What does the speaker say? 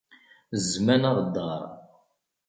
Zzman aɣeddaṛ.